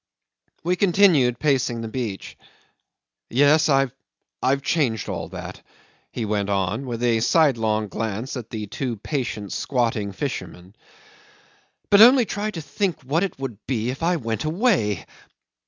'We continued pacing the beach. "Yes, I've changed all that," he went on, with a sidelong glance at the two patient squatting fishermen; "but only try to think what it would be if I went away.